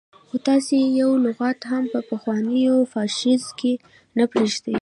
خو تاسو يې يو لغت هم په پخواني فاشيزم کې نه پرېږدئ.